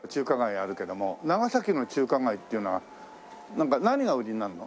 あるけども長崎の中華街っていうのはなんか何が売りになるの？